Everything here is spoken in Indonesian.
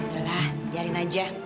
yaudah biarin aja